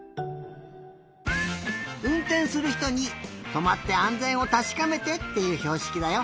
うんてんするひとにとまってあんぜんをたしかめてっていうひょうしきだよ。